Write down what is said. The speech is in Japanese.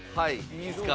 いいですか？